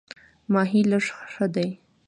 ماهی لږ ښه دی.